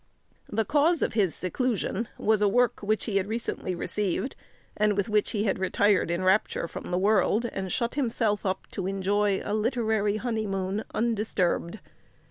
The cause of his seclusion was a work which he had recently received, and with which he had retired in rapture from the world, and shut himself up to enjoy a literary honeymoon undisturbed.